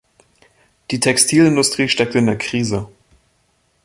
Die Textilindustrie steckt in der Krise.